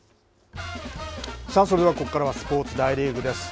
さあそれでは、ここからはスポーツ、大リーグです。